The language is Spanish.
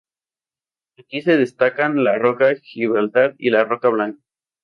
Aquí se destacan la roca Gibraltar y la roca Blanca.